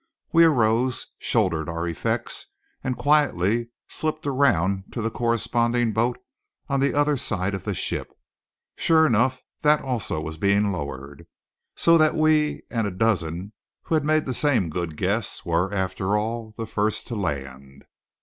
We arose, shouldered our effects, and quietly slipped around to the corresponding boat on the other side the ship. Sure enough, that also was being lowered. So that we and a dozen who had made the same good guess, were, after all, the first to land.